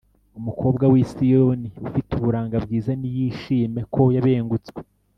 umukobwa w i siyoni ufite uburanga bwiza niyishime ko yabengutswe